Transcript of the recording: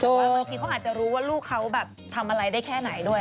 แต่ว่าเมื่อกี้เขาอาจจะรู้ว่าลูกเขาแบบทำอะไรได้แค่ไหนด้วย